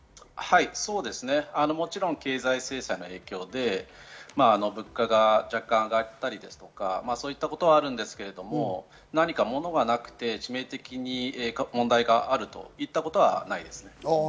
もちろん経済制裁の影響で物価が若干上がったり、そういったことはあるんですけれども、何か物がなくて致命的に問題があるといったことはないです。